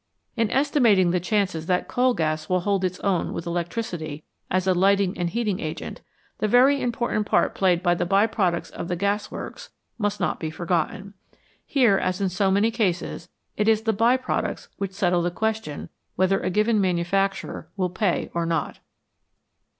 In estimating the chances that coal gas will hold its own with electricity as a lighting and heating agent, the very important part played by the by products of the gasworks must not be forgotten. Here, as in so many cases, it is the by products which settle the question whether a given manufacture will pay or not.